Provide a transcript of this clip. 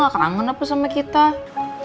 kamu tidak rindu dengan kami